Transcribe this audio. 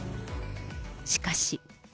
しかし。